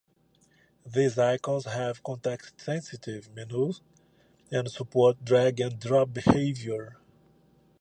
These icons have context-sensitive menus and support drag-and-drop behaviour.